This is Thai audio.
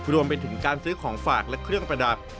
รวมไปถึงการซื้อของฝากและเครื่องประดับ